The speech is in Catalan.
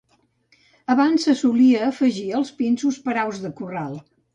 Abans se solia afegir als pinsos per a aus de corral.